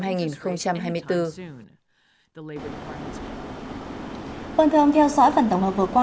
vâng thưa ông theo dõi phần tổng hợp vừa qua